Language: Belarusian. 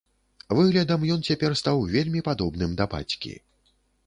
Выглядам ён цяпер стаў вельмі падобным да бацькі.